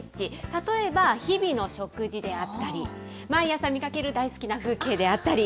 例えば日々の食事であったり、毎朝見かける大好きな風景であったり。